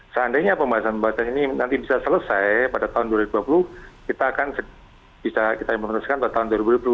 seandainya pembahasan pembahasan ini nanti bisa selesai pada tahun dua ribu dua puluh kita akan bisa kita tahun dua ribu dua puluh